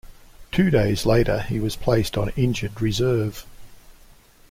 Two days later, he was placed on injured reserve.